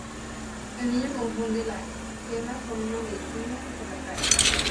El niño confunde la gema con una medicina y se la traga.